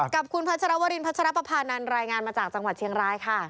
กับคุณพัชรวรินพัชรปภานันรายงานมาจากจังหวัดเชียงรายค่ะ